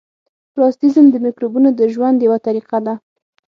پرازیتېزم د مکروبونو د ژوند یوه طریقه ده.